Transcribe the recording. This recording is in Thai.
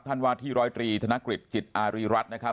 ท่านวาธิรอยตรีทีธนกฤทธิ์จิตอารีรัทรี